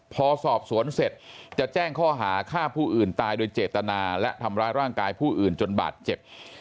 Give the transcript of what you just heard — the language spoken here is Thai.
พอสอบสวนเสร็จจะแจ้งข้อหาฆ่าผู้อื่นตายโดยเจตนาและทำร้ายร่างกายผู้อื่นจนบาดเจ็บ